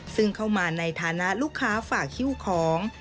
ซึ่งเข้ามาในฐานะลูกค้าฝากคิ้วของ